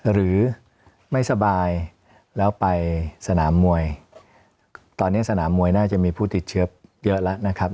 หรือไม่สบายแล้วไปสนามมวยตอนนี้สนามมวยน่าจะมีผู้ติดเชื้อเยอะแล้วนะครับ